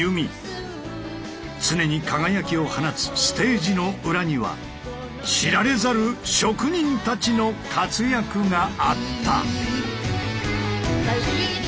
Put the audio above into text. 常に輝きを放つステージの裏には知られざる職人たちの活躍があった。